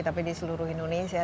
tapi di seluruh indonesia